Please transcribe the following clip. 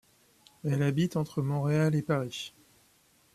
Elle habite entre Montréal et Paris.